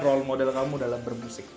role model kamu dalam bermusik